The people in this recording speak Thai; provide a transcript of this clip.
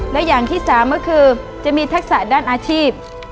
และอย่างที่สามก็คือจะมีทักษะด้านอาชีพ